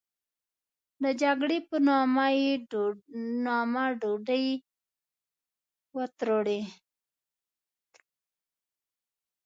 د جګړې په نامه ډوډۍ و تروړي.